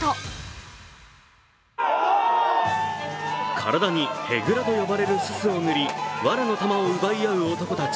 体にヘグラと呼ばれるすすを塗りわらの玉を奪い合う男たち。